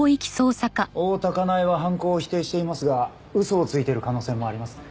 大多香苗は犯行を否定していますが嘘をついている可能性もありますね。